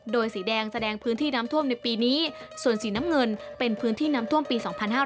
โดยสีแดงแสดงพื้นที่น้ำท่วมในปีนี้ส่วนสีน้ำเงินเป็นพื้นที่น้ำท่วมปี๒๕๕๙